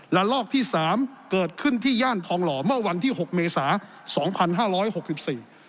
ลอกที่สามเกิดขึ้นที่ย่านทองหล่อเมื่อวันที่หกเมษาสองพันห้าร้อยหกสิบสี่